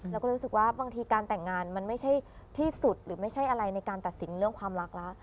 เราก็เลยรู้สึกว่าบางทีการแต่งงานมันไม่ใช่ที่สุดหรือไม่ใช่อะไรในการตัดสินเรื่องความรักแล้ว